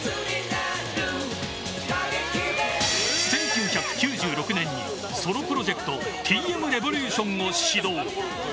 １９９６年にソロプロジェクトＴ．Ｍ．Ｒｅｖｏｌｕｔｉｏｎを始動。